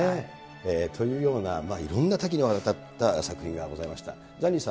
というような、いろんな多岐にわたった作品がございました。